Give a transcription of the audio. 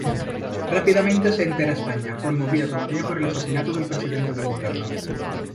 Rápidamente se entera España, conmovida todavía por el asesinato del Presidente del Gobierno.